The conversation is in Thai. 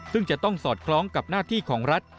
ซึ่งจะต้องสอดคล้องกับหน้าที่ของรัฐ